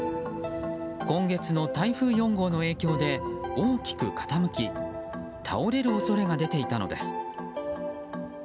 今月の台風４号の影響で大きく傾き倒れる恐れが出ていたのです。